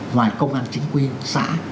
ngoài công an chính quyền xã